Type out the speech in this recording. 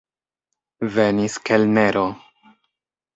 Venis kelnero.